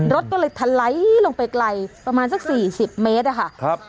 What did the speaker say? รถก็เลยทะไลลงไปไกลประมาณสักสี่สิบเมตรค่ะครับ